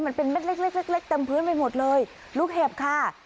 มันเป็นเล็กเล็กเล็กเล็กเต็มพื้นไปหมดเลยลูกเห็บค่ะ